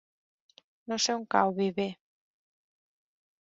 No sé on cau Viver.